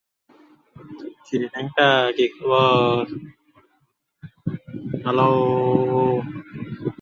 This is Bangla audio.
ফলে জরিপ করার প্রচেষ্টা খুব একটা সফল হতে পারেনি।